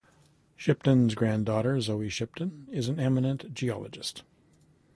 Shipton's grand-daughter Zoe Shipton is an eminent geologist.